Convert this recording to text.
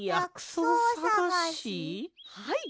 はい！